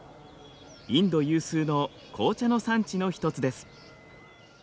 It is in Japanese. インド有数の紅茶の産地の一つです。